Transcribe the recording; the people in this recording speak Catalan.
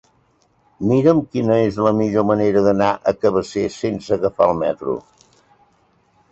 Mira'm quina és la millor manera d'anar a Cabacés sense agafar el metro.